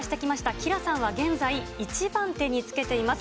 吉良さんは現在、１番手につけています。